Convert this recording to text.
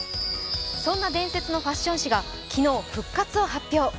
そんな伝説のファッション誌が昨日、復活を発表。